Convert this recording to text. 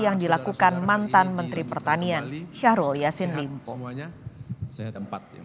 yang dilakukan mantan menteri pertanian syahrul yassin limpo